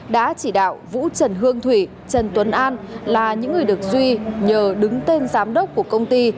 đã chỉ đạo vũ trần hương thủy trần tuấn an là những người được duy nhờ đứng tên giám đốc của công ty